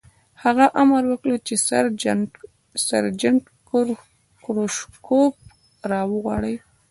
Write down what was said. هغه امر وکړ چې سرجنټ کروچکوف را وغواړئ